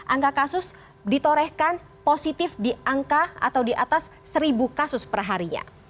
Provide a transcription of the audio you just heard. angka kasus ditorehkan positif di angka atau di atas seribu kasus perharinya